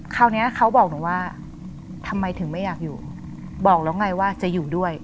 เขาบอกเนี้ยเขาบอกหนูว่าทำไมถึงไม่อยากอยู่บอกแล้วไงว่าจะอยู่ด้วย